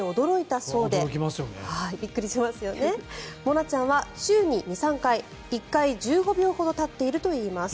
なちゃんは週に２３回１回１５秒ほど立っているといいます。